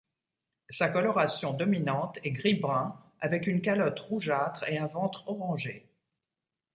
Sa coloration dominante est gris brun avec une calotte rougeâtre et un ventre orangé.